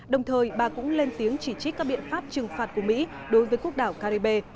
đồng thời bà cũng lên tiếng chỉ trích các biện pháp trừng phạt của mỹ đối với quốc đảo caribe